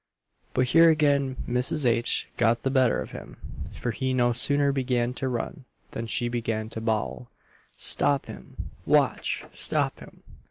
But here again Mrs. H. got the better of him; for he no sooner began to run, than she began to bawl "Stop him, watch! stop him!"